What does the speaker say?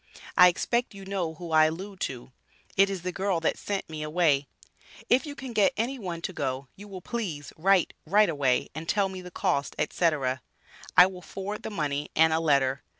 I expect you know who I allude to, it is the girl that sent me away. If you can get any one to go, you will please write right away and tell me the cost, &c. I will forward the money and a letter.